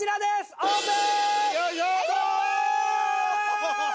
オープン！